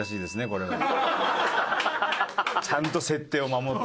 ちゃんと設定を守る。